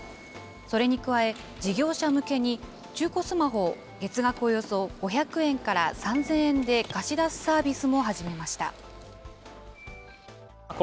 それに加え、事業者向けに、中古スマホを、月額およそ５００円から３０００円で貸し出すサービス